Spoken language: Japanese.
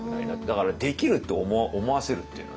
だから「できる」って思わせるっていうのはね。